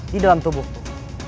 di dalam tubuhku